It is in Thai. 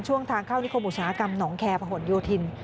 ช่วงทางเข้านิคบุชากรรมหนองแคร์พหลโยธิน